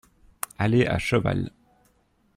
Aller à cheval.